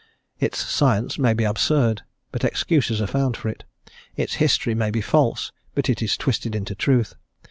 Its science may be absurd; but excuses are found for it. Its history may be false, but it is twisted into truth.